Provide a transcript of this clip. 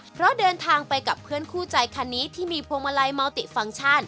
เพราะเดินทางไปกับเพื่อนคู่ใจคันนี้ที่มีพวงมาลัยเมาติฟังก์ชัน